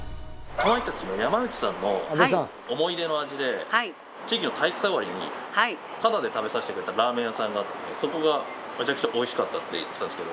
かまいたちの山内さんの思い出の味で地域の体育祭終わりにタダで食べさせてくれたラーメン屋さんがあってそこがめちゃくちゃおいしかったって言ってたんですけど。